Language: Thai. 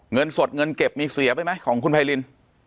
เงินสดเงินเก็บมีเสียไปไหมของคุณไพริน